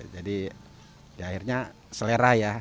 jadi akhirnya selera ya